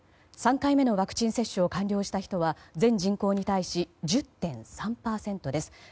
３回目のワクチン接種を完了した人は全人口に対し１０．３％です。